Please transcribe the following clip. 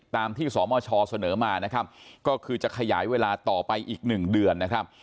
ตามที่สมชเสนอมานะครับก็คือจะขยายเวลาต่อไปอีกหนึ่งเดือนนะครับ